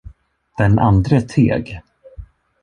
Den andre teg.